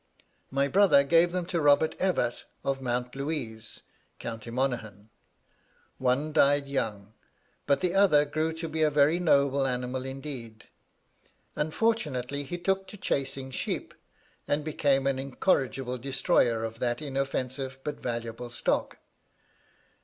My brother gave them to Robert Evatt, of Mount Louise, county Monaghan. One died young, but the other grew to be a very noble animal indeed. Unfortunately he took to chasing sheep, and became an incorrigible destroyer of that inoffensive but valuable stock.